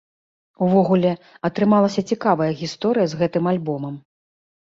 Увогуле, атрымалася цікавая гісторыя з гэтым альбомам.